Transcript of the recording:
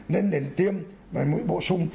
nên đến tiêm mũi bổ sung